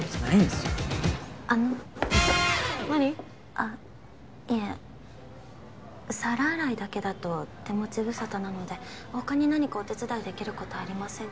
あっいえ皿洗いだけだと手持ち無沙汰なので他に何かお手伝いできる事ありませんか？